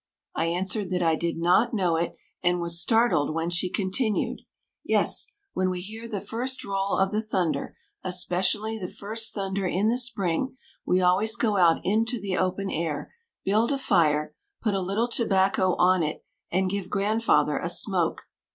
I answered that I did not know it, and was startled when she continued: "Yes, when we hear the first roll of the thunder, especially the first thunder in the spring, we always go out into the open air, build a fire, put a little tobacco on it, and give grandfather a smoke.